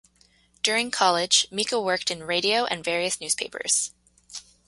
During college Mika worked in radio and various newspapers.